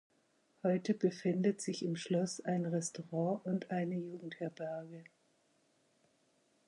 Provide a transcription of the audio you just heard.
Heute befindet sich im Schloss ein Restaurant und eine Jugendherberge.